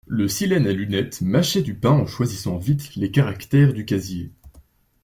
Le Silène à lunettes mâchait du pain en choisissant vite les caractères du casier.